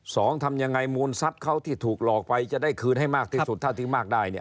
สองทำยังไงโมนซับเขาที่ถูกหลอกไปจะได้คืนให้มากที่สุดถ้าที่มากได้